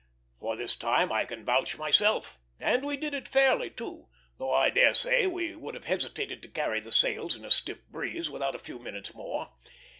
For this time I can vouch myself, and we did it fairly, too; though I dare say we would have hesitated to carry the sails in a stiff breeze without a few minutes more.